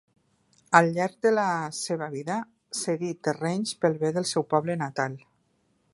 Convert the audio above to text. Al llarg de la seva vida cedí terrenys pel bé del seu poble natal.